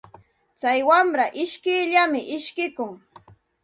Tsay wamra ishkiyllam ishkikun.